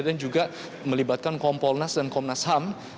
dan juga melibatkan kompolnas dan komnas ham